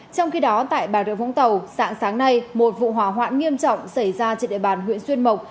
trong khi đó tại bà rượu vũng tàu sáng sáng nay một vụ hỏa hoãn nghiêm trọng xảy ra trên đại bàn huyện xuyên mộc